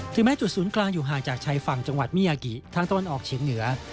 แม้จุดศูนย์กลางอยู่ห่างจากชายฝั่งจังหวัดมิยากิทางตะวันออกเฉียงเหนือ